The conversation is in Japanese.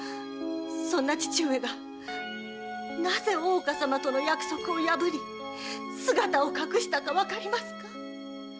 そんな父上が何故大岡様との約束を破り姿を隠したかわかりますか？